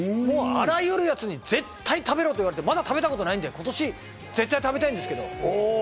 あらゆるやつに絶対食べろと言われて、まだ食べたことないんで今年絶対食べたいんですけど。